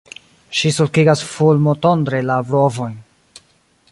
Ŝi sulkigas fulmotondre la brovojn.